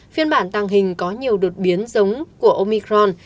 phiên bản tàng hình có nhiều đột biến giống của omicron